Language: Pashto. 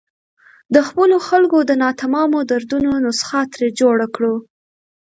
د خپلو خلکو د ناتمامو دردونو نسخه ترې جوړه کړو.